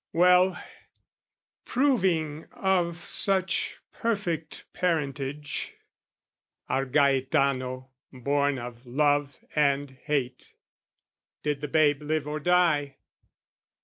Well, proving of such perfect parentage, Our Gaetano, born of love and hate, Did the babe live or die?